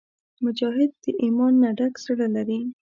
مجاهد د ایمان نه ډک زړه لري.